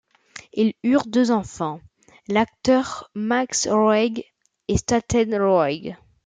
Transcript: Ils eurent deux enfants, l'acteur Max Roeg et Statten Roeg.